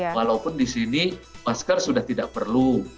walaupun di sini masker sudah tidak perlu